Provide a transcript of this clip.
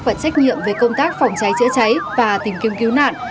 và trách nhiệm về công tác phòng cháy chữa cháy và tìm kiếm cứu nạn